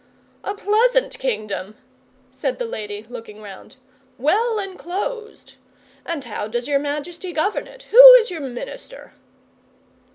'A pleasant Kingdom,' said the lady, looking round. 'Well enclosed. And how does your Majesty govern it? Who is your Minister?